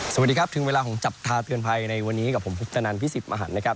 สวัสดีครับถึงเวลาของจับตาเตือนภัยในวันนี้กับผมพุทธนันพี่สิทธิ์มหันนะครับ